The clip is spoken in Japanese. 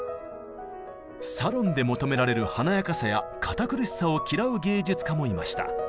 サロンで求められる華やかさや堅苦しさを嫌う芸術家もいました。